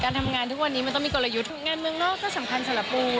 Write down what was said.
ทำงานทุกวันนี้มันต้องมีกลยุทธ์งานเมืองนอกก็สำคัญสำหรับปู